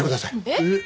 えっ！？